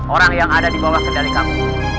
orang yang ada di bawah kendali kamu